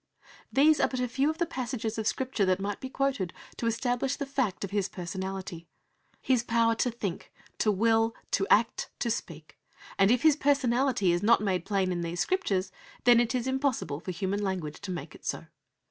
These are but a few of the passages of Scripture that might be quoted to establish the fact of His personality His power to think, to will, to act, to speak; and if His personality is not made plain in these Scriptures, then it is impossible for human language to make it so.